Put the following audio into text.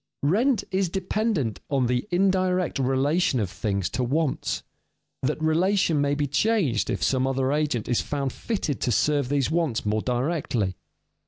_ Rent is dependent on the indirect relation of things to wants; that relation may be changed if some other agent is found fitted to serve these wants more directly.